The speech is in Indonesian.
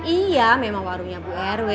iya memang warungnya bu rw